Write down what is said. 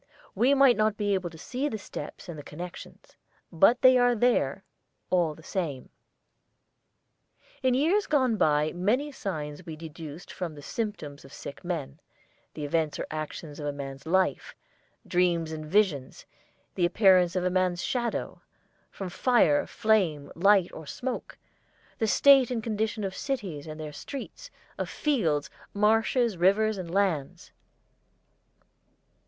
We may not be able to see the steps and the connections. But they are there all the same. In years gone by many signs were deduced from the symptoms of sick men; the events or actions of a man's life; dreams and visions; the appearance of a man's shadow; from fire, flame, light, or smoke; the state and condition of cities and their streets, of fields, marshes, rivers, and lands.